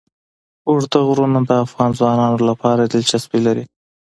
اوږده غرونه د افغان ځوانانو لپاره دلچسپي لري.